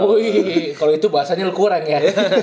wuih kalo itu bahasanya kurang ya